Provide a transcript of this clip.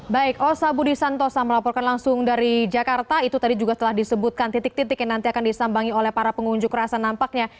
baik osa budi santosa melaporkan langsung dari jakarta itu tadi juga telah disebutkan titik titik yang nanti akan disambangi oleh para pengunjuk rasa nampaknya